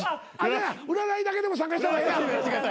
占いだけでも参加した方がええな。